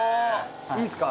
いいですか？